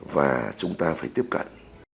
và chúng ta phải tiếp cận